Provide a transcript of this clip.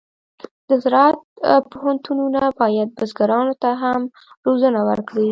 د زراعت پوهنتونونه باید بزګرانو ته هم روزنه ورکړي.